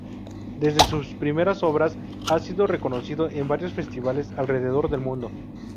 Desde sus primeras obras, ha sido reconocido en varios festivales alrededor del mundo.